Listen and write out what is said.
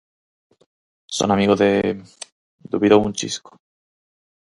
_Son amigo de... _dubidou un chisco.